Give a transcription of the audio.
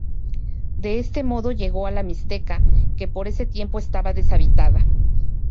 De este modo llegó a la Mixteca, que por ese tiempo estaba deshabitada.